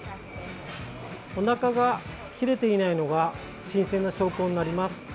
おなかが切れていないのが新鮮な証拠になります。